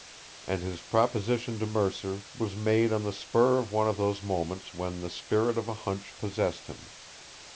And his proposition to Mercer was made on the spur of one of those moments when the spirit of a hunch possessed him.